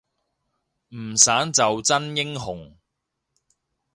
唔散就真英雄